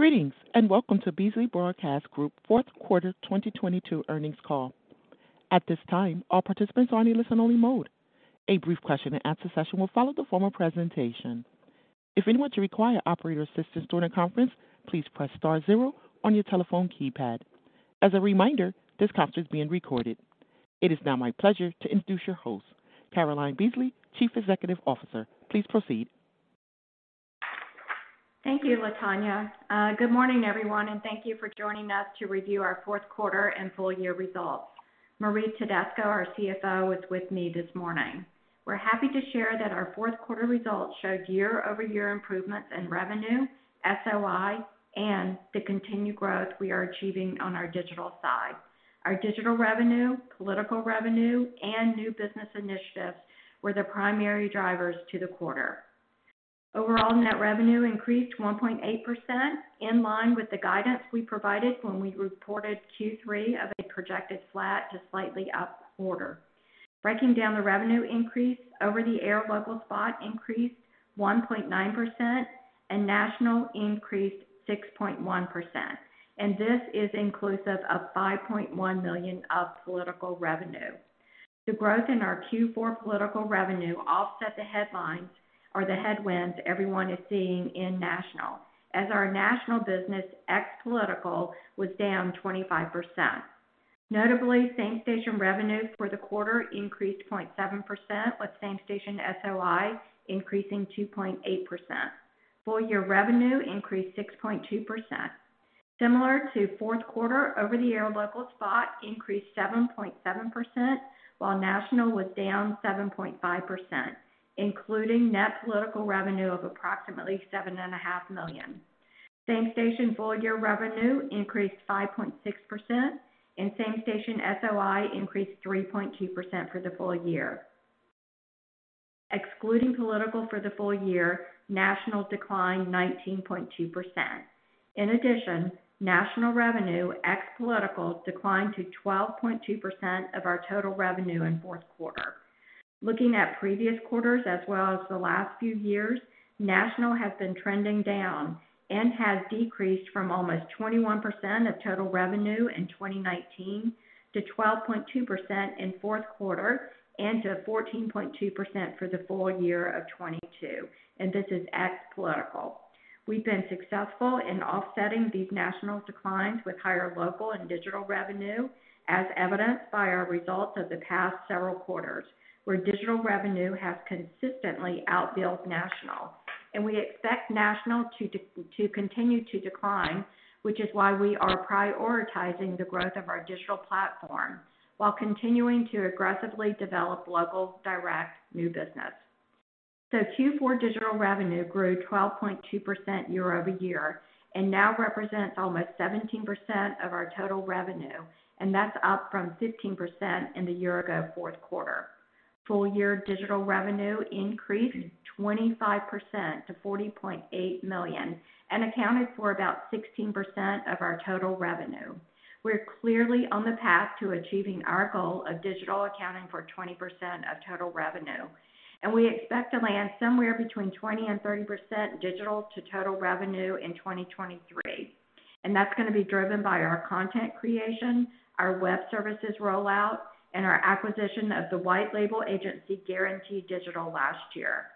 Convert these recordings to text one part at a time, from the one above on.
Greetings, and welcome to Beasley Broadcast Group fourth quarter 2022 earnings call. At this time, all participants are in a listen-only mode. A brief question and answer session will follow the formal presentation. If anyone should require operator assistance during the conference, please press star zero on your telephone keypad. As a reminder, this conference is being recorded. It is now my pleasure to introduce your host, Caroline Beasley, Chief Executive Officer. Please proceed. Thank you, Latanya. Good morning, everyone, and thank you for joining us to review our fourth quarter and full year results. Marie Tedesco, our CFO, is with me this morning. We're happy to share that our fourth quarter results showed year-over-year improvements in revenue, SOI and the continued growth we are achieving on our digital side. Our digital revenue, political revenue and new business initiatives were the primary drivers to the quarter. Overall net revenue increased 1.8%, in line with the guidance we provided when we reported Q3 of a projected flat to slightly up quarter. Breaking down the revenue increase, over the air local spot increased 1.9% and national increased 6.1%, and this is inclusive of $5.1 million of political revenue. The growth in our Q4 political revenue offset the headlines or the headwinds everyone is seeing in national, as our national business ex political was down 25%. Notably, same station revenue for the quarter increased 0.7%, with same station SOI increasing 2.8%. Full year revenue increased 6.2%. Similar to fourth quarter, over the air local spot increased 7.7%, while national was down 7.5%, including net political revenue of approximately $7.5 million. Same station full year revenue increased 5.6%, and same station SOI increased 3.2% for the full year. Excluding political for the full year, national declined 19.2%. In addition, national revenue ex political declined to 12.2% of our total revenue in fourth quarter. Looking at previous quarters as well as the last few years, national has been trending down and has decreased from almost 21% of total revenue in 2019 to 12.2% in fourth quarter and to 14.2% for the full year of 2022. This is ex political. We've been successful in offsetting these national declines with higher local and digital revenue, as evidenced by our results of the past several quarters, where digital revenue has consistently outbilled national. We expect national to continue to decline, which is why we are prioritizing the growth of our digital platform while continuing to aggressively develop local direct new business. Q4 digital revenue grew 12.2% year-over-year and now represents almost 17% of our total revenue, and that's up from 15% in the year ago fourth quarter. Full year digital revenue increased 25% to $40.8 million and accounted for about 16% of our total revenue. We're clearly on the path to achieving our goal of digital accounting for 20% of total revenue, we expect to land somewhere between 20% and 30% digital to total revenue in 2023. That's gonna be driven by our content creation, our web services rollout, and our acquisition of the white label agency Guarantee Digital last year.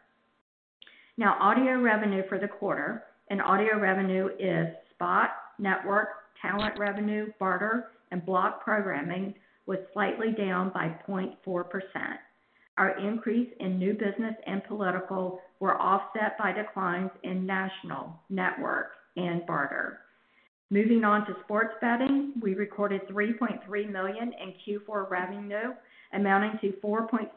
Now, audio revenue for the quarter, and audio revenue is spot, network, talent revenue, barter, and block programming, was slightly down by 0.4%. Our increase in new business and political were offset by declines in national, network, and barter. Moving on to sports betting. We recorded $3.3 million in Q4 revenue, amounting to 4.6%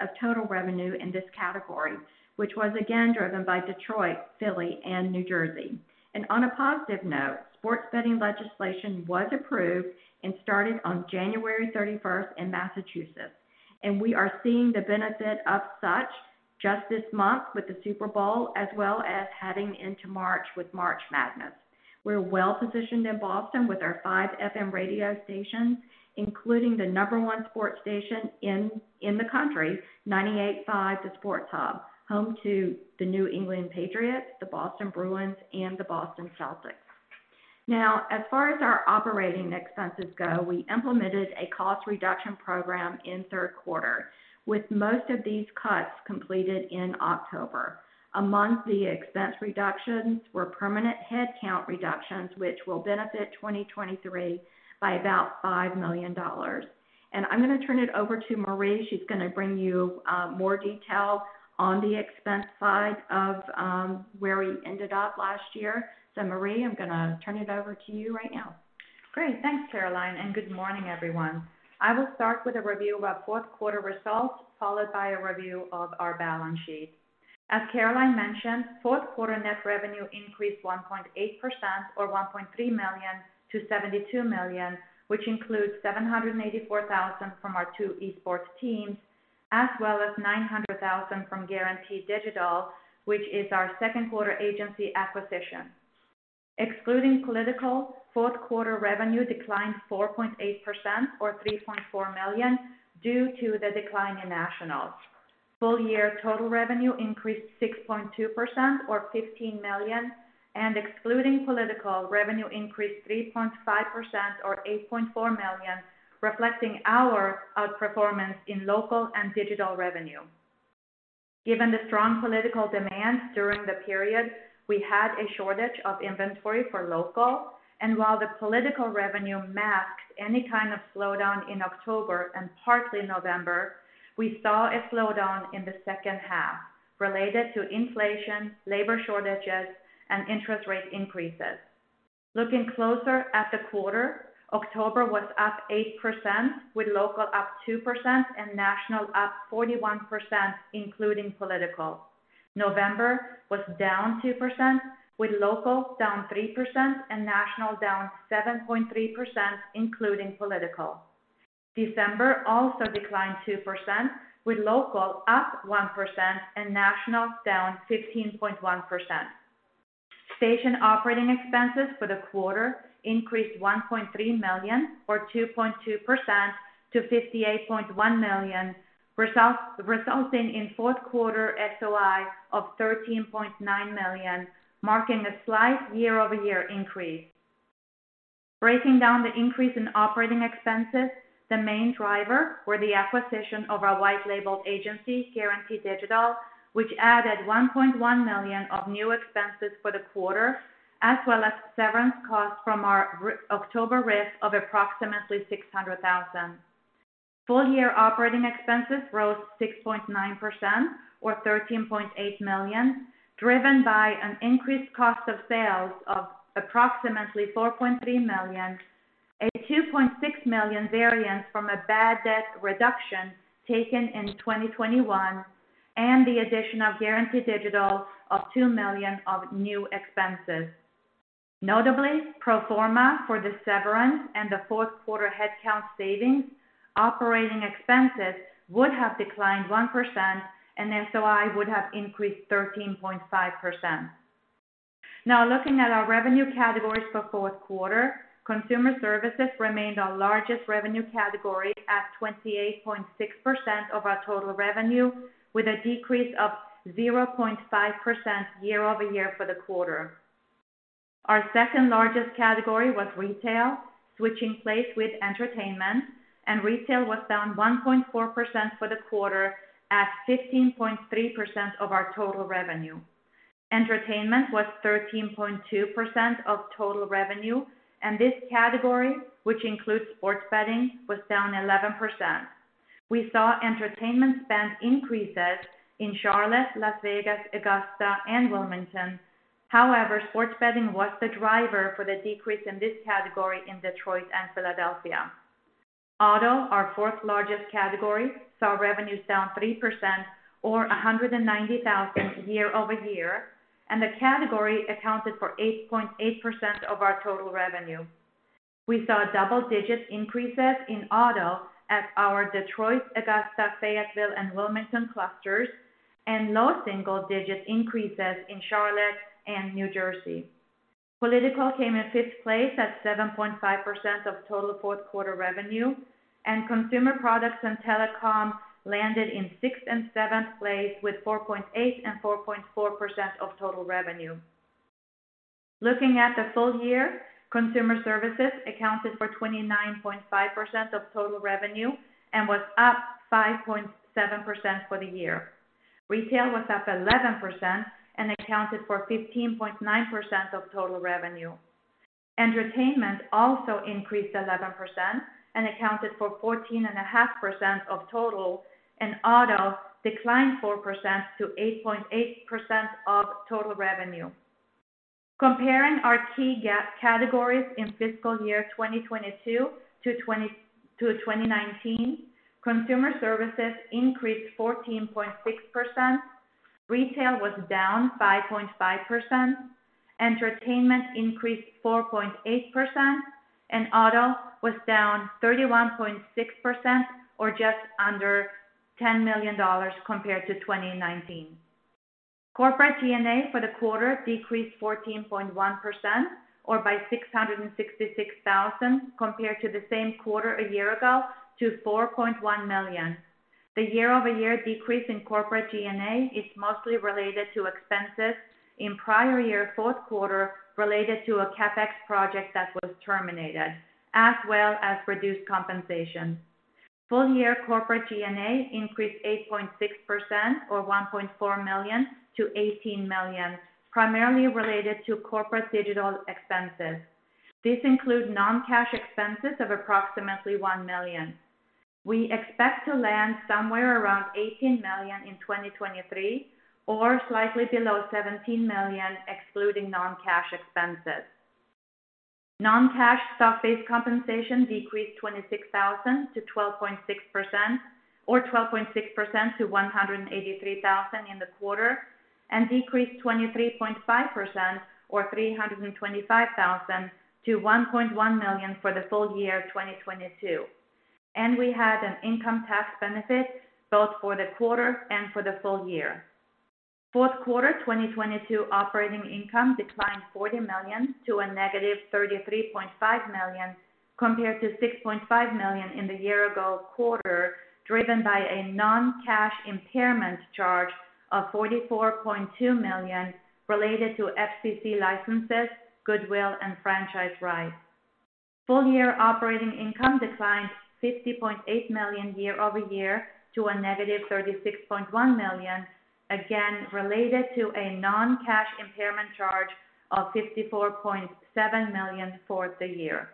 of total revenue in this category, which was again driven by Detroit, Philly, and New Jersey. On a positive note, sports betting legislation was approved and started on January 31st in Massachusetts, and we are seeing the benefit of such just this month with the Super Bowl as well as heading into March with March Madness. We're well positioned in Boston with our five FM radio stations, including the number one sports station in the country, 98.5 The Sports Hub, home to the New England Patriots, the Boston Bruins, and the Boston Celtics. As far as our operating expenses go, we implemented a cost reduction program in third quarter, with most of these cuts completed in October. Among the expense reductions were permanent headcount reductions which will benefit 2023 by about $5 million. I'm gonna turn it over to Marie. She's gonna bring you more detail on the expense side of where we ended up last year. Marie, I'm gonna turn it over to you right now. Great. Thanks, Caroline. Good morning, everyone. I will start with a review of our fourth quarter results, followed by a review of our balance sheet. As Caroline mentioned, fourth quarter net revenue increased 1.8% or $1.3 million to $72 million, which includes $784,000 from our two esports teams, as well as $900,000 from Guarantee Digital, which is our second quarter agency acquisition. Excluding political, fourth quarter revenue declined 4.8% or $3.4 million due to the decline in nationals. Full year total revenue increased 6.2% or $15 million. Excluding political, revenue increased 3.5% or $8.4 million, reflecting our outperformance in local and digital revenue. Given the strong political demand during the period, we had a shortage of inventory for local, and while the political revenue masked any kind of slowdown in October and partly November, we saw a slowdown in the second half related to inflation, labor shortages, and interest rate increases. Looking closer at the quarter, October was up 8% with local up 2% and national up 41%, including political. November was down 2%, with local down 3% and national down 7.3%, including political. December also declined 2%, with local up 1% and national down 15.1%. Station operating expenses for the quarter increased $1.3 million, or 2.2% to $58.1 million, resulting in fourth quarter SOI of $13.9 million, marking a slight year-over-year increase. Breaking down the increase in operating expenses, the main driver were the acquisition of our white labeled agency, Guarantee Digital, which added $1.1 million of new expenses for the quarter, as well as severance costs from our October RIF of approximately $600,000. Full year operating expenses rose 6.9% or $13.8 million, driven by an increased cost of sales of approximately $4.3 million, a $2.6 million variance from a bad debt reduction taken in 2021, and the addition of Guarantee Digital of $2 million of new expenses. Notably, pro forma for the severance and the fourth quarter headcount savings, operating expenses would have declined 1% and SOI would have increased 13.5%. Now, looking at our revenue categories for fourth quarter, consumer services remained our largest revenue category at 28.6% of our total revenue, with a decrease of 0.5% year-over-year for the quarter. Our second largest category was retail, switching place with entertainment, and retail was down 1.4% for the quarter at 15.3% of our total revenue. Entertainment was 13.2% of total revenue, and this category, which includes sports betting, was down 11%. We saw entertainment spend increases in Charlotte, Las Vegas, Augusta, and Wilmington. However, sports betting was the driver for the decrease in this category in Detroit and Philadelphia. Auto, our fourth largest category, saw revenues down 3% or $190,000 year-over-year, and the category accounted for 8.8% of our total revenue. We saw double-digit increases in auto at our Detroit, Augusta, Fayetteville, and Wilmington clusters, and low single digit increases in Charlotte and New Jersey. Political came in 5th place at 7.5% of total fourth quarter revenue, and consumer products and telecom landed in 6th and 7th place with 4.8% and 4.4% of total revenue. Looking at the full year, consumer services accounted for 29.5% of total revenue and was up 5.7% for the year. Retail was up 11% and accounted for 15.9% of total revenue. Entertainment also increased 11% and accounted for 14.5% of total, and auto declined 4% to 8.8% of total revenue. Comparing our key categories in fiscal year 2022 to 2019, consumer services increased 14.6%, retail was down 5.5%, entertainment increased 4.8%, and auto was down 31.6% or just under $10 million compared to 2019. Corporate G&A for the quarter decreased 14.1% or by $666,000 compared to the same quarter a year ago to $4.1 million. The year-over-year decrease in corporate G&A is mostly related to expenses in prior year fourth quarter related to a CapEx project that was terminated, as well as reduced compensation. Full year corporate G&A increased 8.6% or $1.4 million to $18 million, primarily related to corporate digital expenses. These include non-cash expenses of approximately $1 million. We expect to land somewhere around $18 million in 2023 or slightly below $17 million, excluding non-cash expenses. Non-cash stock-based compensation decreased $26,000 to 12.6% or 12.6% to $183,000 in the quarter, decreased 23.5% or $325,000 to $1.1 million for the full year 2022. We had an income tax benefit both for the quarter and for the full year. Fourth quarter 2022 operating income declined $40 million to a negative $33.5 million, compared to $6.5 million in the year ago quarter, driven by a non-cash impairment charge of $44.2 million related to FCC licenses, goodwill, and franchise rights. Full year operating income declined $50.8 million year-over-year to a negative $36.1 million, again related to a non-cash impairment charge of $54.7 million for the year.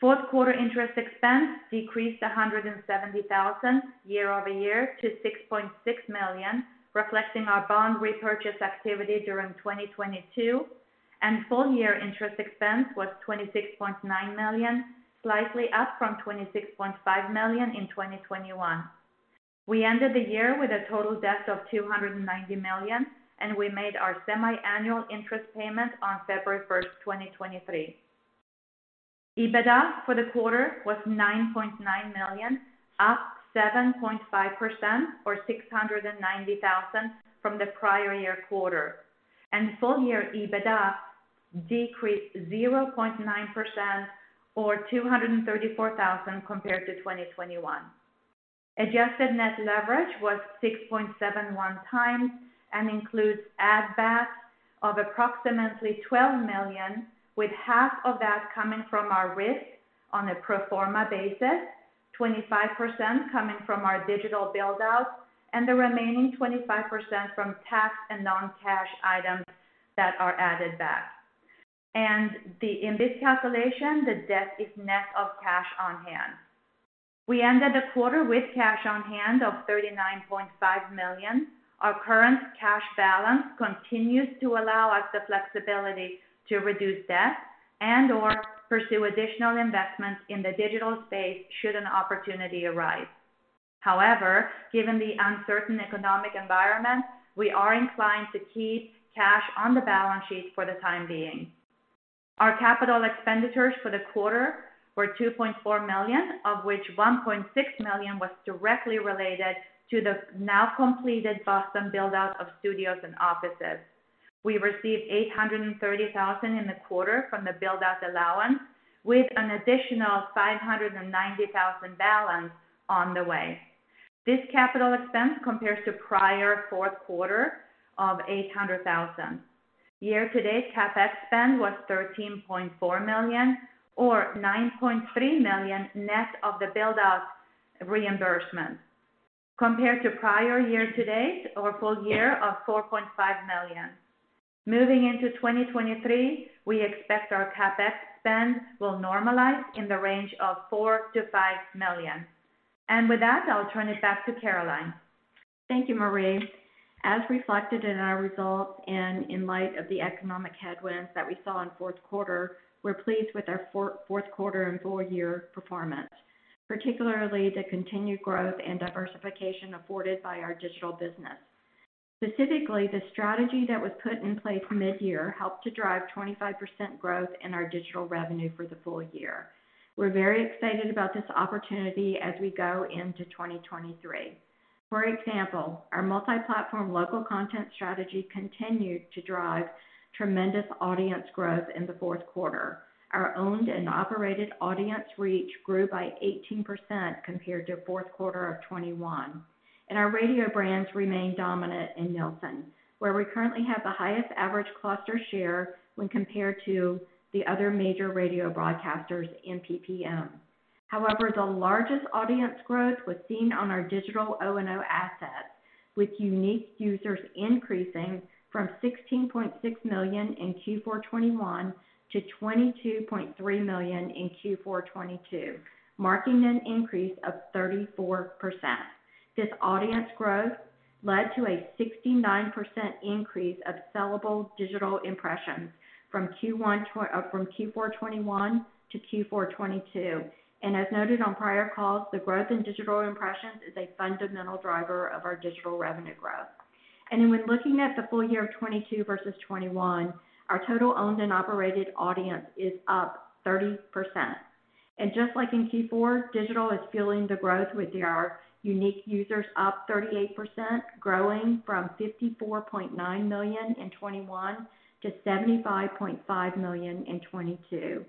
Fourth quarter interest expense decreased $170,000 year-over-year to $6.6 million, reflecting our bond repurchase activity during 2022. Full year interest expense was $26.9 million, slightly up from $26.5 million in 2021. We ended the year with a total debt of $290 million, we made our semi-annual interest payment on February first, 2023. EBITDA for the quarter was $9.9 million, up 7.5% or $690,000 from the prior year quarter. Full year EBITDA decreased 0.9% or $234,000 compared to 2021. Adjusted Net Leverage was 6.71 times and includes add backs of approximately $12 million, with half of that coming from our RIF on a pro forma basis, 25% coming from our digital build-out, and the remaining 25% from tax and non-cash items that are added back. In this calculation, the debt is net of cash on-hand. We ended the quarter with cash on-hand of $39.5 million. Our current cash balance continues to allow us the flexibility to reduce debt and/or pursue additional investments in the digital space should an opportunity arise. However, given the uncertain economic environment, we are inclined to keep cash on the balance sheet for the time being. Our CapEx for the quarter were $2.4 million, of which $1.6 million was directly related to the now completed Boston build-out of studios and offices. We received $830,000 in the quarter from the build-out allowance, with an additional $590,000 balance on the way. This capital expense compares to prior fourth quarter of $800,000. Year-to-date, CapEx spend was $13.4 million or $9.3 million net of the build-out reimbursement, compared to prior year-to-date or full year of $4.5 million. Moving into 2023, we expect our CapEx spend will normalize in the range of $4 million-$5 million. With that, I'll turn it back to Caroline. Thank you, Marie. As reflected in our results and in light of the economic headwinds that we saw in fourth quarter, we're pleased with our fourth quarter and full year performance, particularly the continued growth and diversification afforded by our digital business. Specifically, the strategy that was put in place mid-year helped to drive 25% growth in our digital revenue for the full year. We're very excited about this opportunity as we go into 2023. For example, our multi-platform local content strategy continued to drive tremendous audience growth in the fourth quarter. Our owned and operated audience reach grew by 18% compared to fourth quarter of 2021. Our radio brands remain dominant in Nielsen, where we currently have the highest average cluster share when compared to the other major radio broadcasters in PPM. However, the largest audience growth was seen on our digital O&O assets, with unique users increasing from $16.6 million in Q4 2021 to $22.3 million in Q4 2022, marking an increase of 34%. This audience growth led to a 69% increase of sellable digital impressions from Q4 2021 to Q4 2022. As noted on prior calls, the growth in digital impressions is a fundamental driver of our digital revenue growth. When looking at the full year of 2022 versus 2021, our total owned and operated audience is up 30%. Just like in Q4, digital is fueling the growth with our unique users up 38%, growing from $54.9 million in 2021 to $75.5 million in 2022.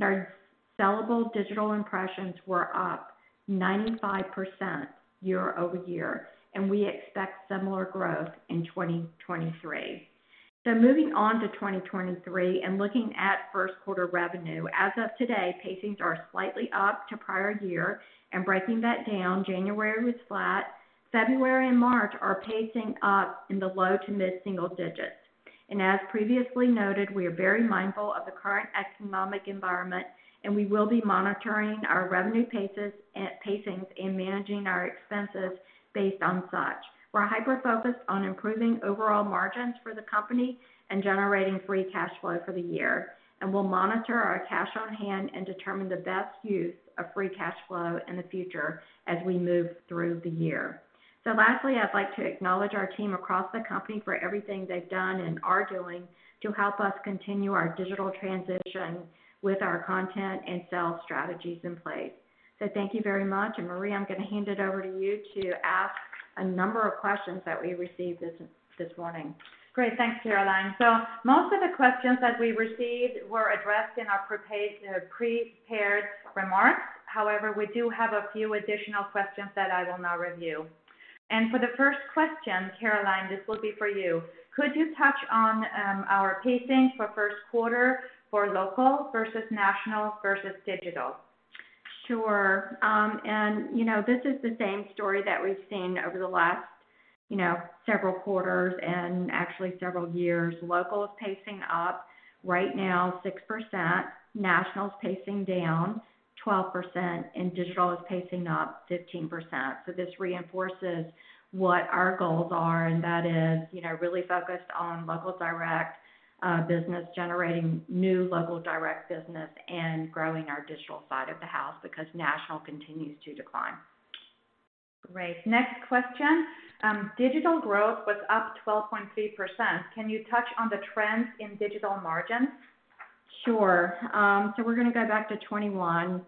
Our sellable digital impressions were up 95% year-over-year, and we expect similar growth in 2023. Moving on to 2023 and looking at first quarter revenue. As of today, pacings are slightly up to prior year. Breaking that down, January was flat. February and March are pacing up in the low to mid single digits. As previously noted, we are very mindful of the current economic environment, and we will be monitoring our revenue paces, pacings and managing our expenses based on such. We're hyper-focused on improving overall margins for the company and generating free cash flow for the year, and we'll monitor our cash on hand and determine the best use of free cash flow in the future as we move through the year. Lastly, I'd like to acknowledge our team across the company for everything they've done and are doing to help us continue our digital transition with our content and sales strategies in place. Thank you very much. Marie, I'm gonna hand it over to you to ask a number of questions that we received this morning. Great. Thanks, Caroline. Most of the questions that we received were addressed in our prepared remarks. However, we do have a few additional questions that I will now review. For the first question, Caroline, this will be for you. Could you touch on our pacing for first quarter for local versus national versus digital? Sure. You know, this is the same story that we've seen over the last, you know, several quarters and actually several years. Local is pacing up, right now 6%. National is pacing down 12%. Digital is pacing up 15%. This reinforces what our goals are, and that is, you know, really focused on local direct business, generating new local direct business and growing our digital side of the house because national continues to decline. Great. Next question. digital growth was up 12.3%. Can you touch on the trends in digital margins? Sure. We're gonna go back to 2021,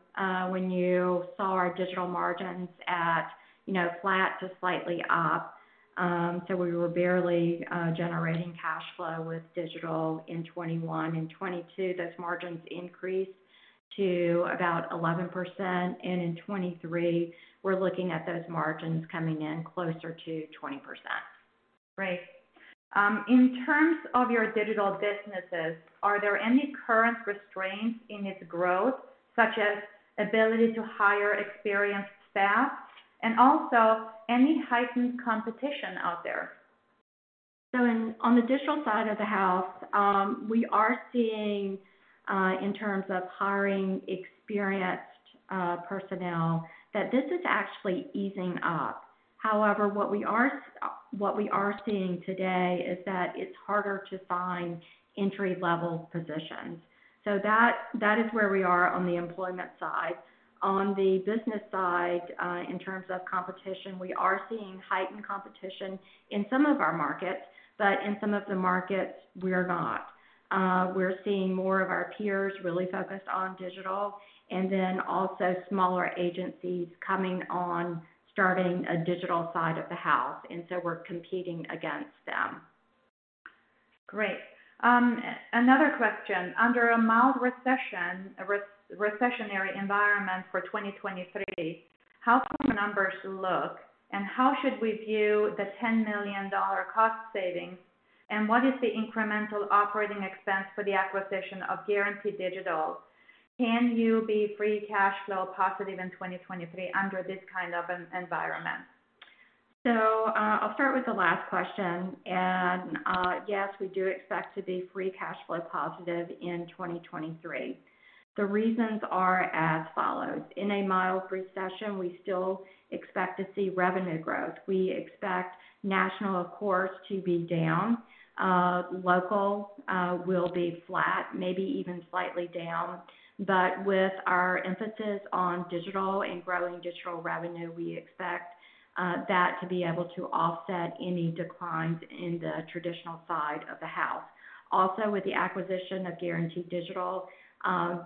when you saw our digital margins at, you know, flat to slightly up. We were barely generating cash flow with digital in 2021. In 2022, those margins increased to about 11%. In 2023, we're looking at those margins coming in closer to 20%. Great. In terms of your digital businesses, are there any current restraints in its growth, such as ability to hire experienced staff and also any heightened competition out there? On the digital side of the house, we are seeing, in terms of hiring experienced personnel, that this is actually easing up. However, what we are seeing today is that it's harder to find entry-level positions. That is where we are on the employment side. On the business side, in terms of competition, we are seeing heightened competition in some of our markets, but in some of the markets we're not. We're seeing more of our peers really focused on digital and then also smaller agencies coming on, starting a digital side of the house, and so we're competing against them. Great. Another question. Under a mild recessionary environment for 2023, how do the numbers look, and how should we view the $10 million cost savings, and what is the incremental operating expense for the acquisition of Guarantee Digital? Can you be free cash flow positive in 2023 under this kind of environment? I'll start with the last question. Yes, we do expect to be free cash flow positive in 2023. The reasons are as follows: in a mild recession, we still expect to see revenue growth. We expect national, of course, to be down. Local will be flat, maybe even slightly down. With our emphasis on digital and growing digital revenue, we expect that to be able to offset any declines in the traditional side of the house. Also, with the acquisition of Guarantee Digital,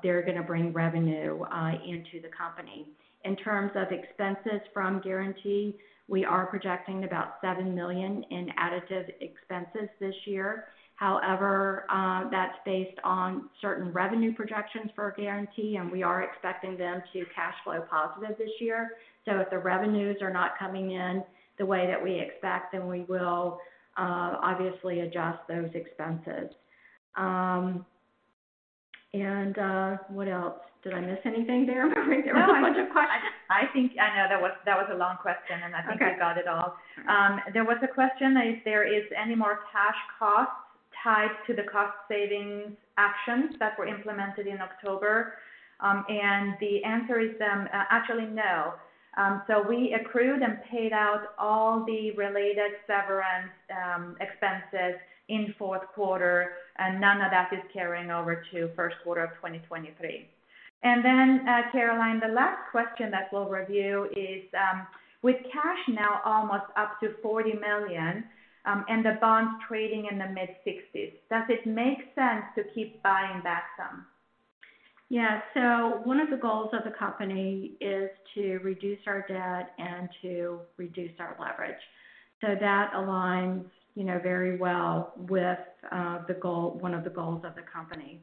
they're gonna bring revenue into the company. In terms of expenses from Guarantee, we are projecting about $7 million in additive expenses this year. However, that's based on certain revenue projections for Guarantee, and we are expecting them to cash flow positive this year. If the revenues are not coming in the way that we expect, then we will obviously adjust those expenses. What else? Did I miss anything there? There were a bunch of questions. No, I think. I know that was a long question. Okay. You got it all. There was a question if there is any more cash costs tied to the cost savings actions that were implemented in October. The answer is actually no. We accrued and paid out all the related severance expenses in fourth quarter, and none of that is carrying over to first quarter of 2023. Caroline, the last question that we'll review is, with cash now almost up to $40 million, and the bonds trading in the mid-sixties, does it make sense to keep buying back some? Yeah. One of the goals of the company is to reduce our debt and to reduce our leverage. That aligns, you know, very well with the goal, one of the goals of the company.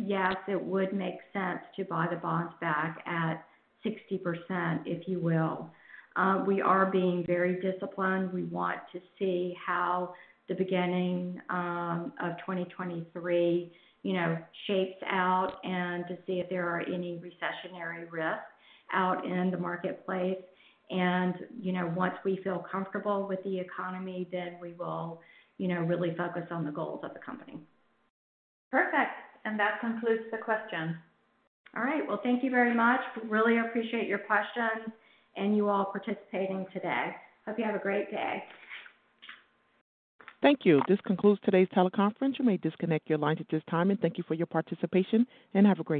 Yes, it would make sense to buy the bonds back at 60%, if you will. We are being very disciplined. We want to see how the beginning of 2023, you know, shapes out and to see if there are any recessionary risks out in the marketplace. You know, once we feel comfortable with the economy, then we will, you know, really focus on the goals of the company. Perfect. That concludes the questions. All right. Well, thank you very much. Really appreciate your questions and you all participating today. Hope you have a great day. Thank you. This concludes today's teleconference. You may disconnect your lines at this time. Thank you for your participation, and have a great day.